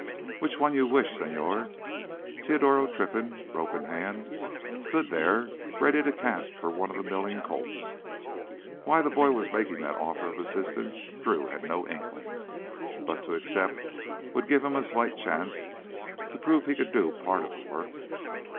"Which one you wish, señor?" Teodoro Trinfan, rope in hand, stood there ready to cast for one of the milling colts. Why the boy was making that offer of assistance Drew had no inkling. But to accept would give him a slight chance to prove he could do part of the work.